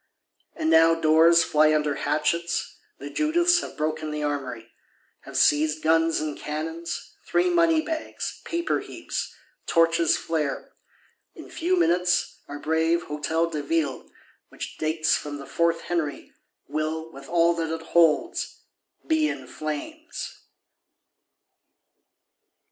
And now doors fly under hatchets; the Judiths have broken the Armoury; have seized guns and cannons, three money bags, paper heaps; torches flare: in few minutes, our brave Hôtel de Ville which dates from the Fourth Henry, will, with all that it holds, be in flames!